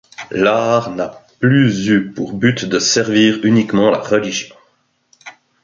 L’art n’a plus eu pour but de servir uniquement la religion.